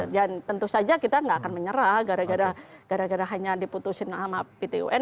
dan tentu saja kita nggak akan menyerah gara gara hanya diputusin sama pt un